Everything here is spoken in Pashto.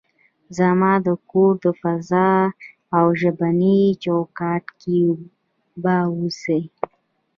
زما د کور د فضا او ژبني چوکاټ کې به اوسئ.